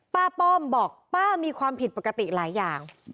ป้อมบอกป้ามีความผิดปกติหลายอย่าง